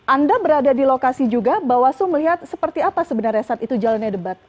anda berada di lokasi juga bawaslu melihat seperti apa sebenarnya saat itu jalannya debat